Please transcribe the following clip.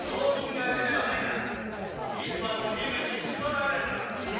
いつまでも身分に縛られるな！